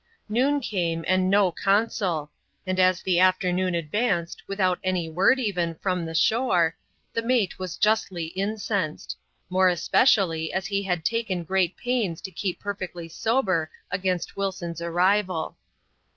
Noon came, and no consul ; and as the afternoon advanced without any word even from the shore, the mate was justly in censed ; more especially, as he had taken great pains to keep perfectly sober against Wilson's arrival.